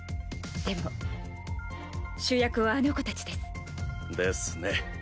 でも主役はあの子たちです。ですね。